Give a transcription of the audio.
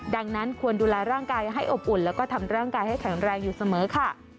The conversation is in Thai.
ดังนั้นควรดูแลร่างกายให้อบอุ่นแล้วก็ทำร่างกายให้แข็งแรงอยู่เสมอค่ะ